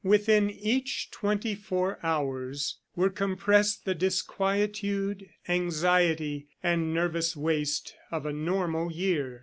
Within each twenty four hours were compressed the disquietude, anxiety and nervous waste of a normal year.